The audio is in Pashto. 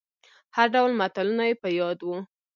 هر ډول متلونه يې په ياد وو.